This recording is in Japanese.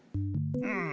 うん。